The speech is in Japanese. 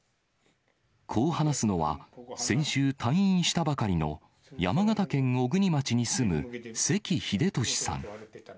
こう話すのは、先週退院したばかりの、山形県小国町に住む関英俊さん。